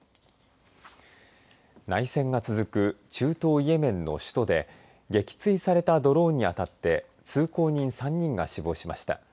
内戦が続く中東イエメンの首都で撃墜されたドローンに当たって通行人３人が死亡しました。